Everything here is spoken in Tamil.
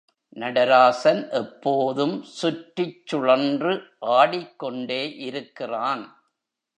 நடராசன் எப்போதும் சுற்றிச் சுழன்று ஆடிக் கொண்டே இருக்கிறான்.